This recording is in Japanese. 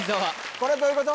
これどういうこと？